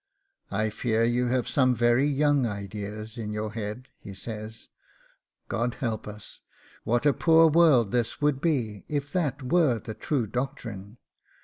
"I fear you have some very young ideas in your head," he says. "God help us, what a poor world this would be if that were the true doctrine!